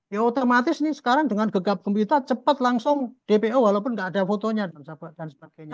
ya otomatis ini sekarang dengan gegap gempita cepat langsung dpo walaupun nggak ada fotonya dan sebagainya